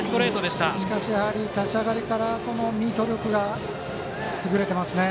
しかし、立ち上がりからミート力が優れてますね